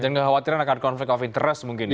dan tidak khawatir akan konflik of interest mungkin ya